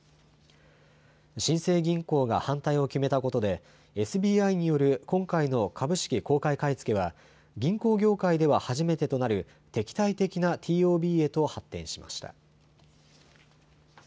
新生銀行が反対を決めたことでＳＢＩによる今回の株式公開買い付けは銀行業界では初めてとなる敵対的なＴＯＢへと発展しました。